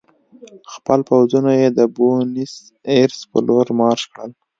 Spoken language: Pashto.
خپل پوځونه یې د بونیس ایرس په لور مارش کړل.